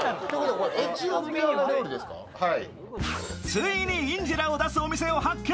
ついにインジェラを出すお店を発見。